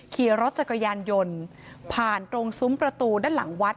ขี่รถจักรยานยนต์ผ่านตรงซุ้มประตูด้านหลังวัด